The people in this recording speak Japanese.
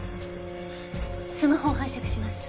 スマホを拝借します。